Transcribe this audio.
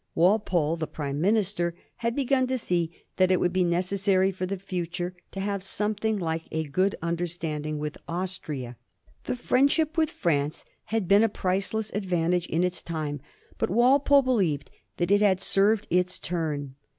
Walpole, the Prime Minister, had begun to see that it would be necessary for the future to have something like a good understanding with Austria. The fiiend ship with France had been a priceless advantage in its time, but Walpole believed that it had served its turn.